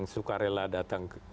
yang suka rela datang